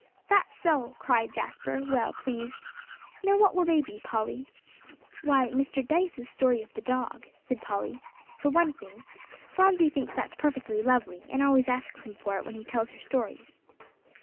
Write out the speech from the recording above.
"That's so," cried Jasper, well pleased. "Now, what will they be, Polly?" "Why, Mr. Dyce's story of the dog," said Polly, "for one thing; Phronsie thinks that's perfectly lovely, and always asks him for it when he tells her stories."